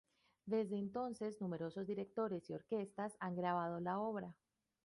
Desde entonces, numerosos directores y orquestas han grabado la obra.